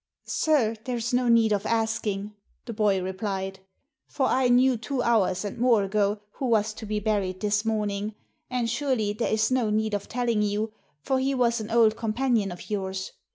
" Sir, there is no need of asking," the boy replied, " for I knew two hours and more ago who was to be buried this morning; and surely there is no need of telling you, for he was an old companion of yours.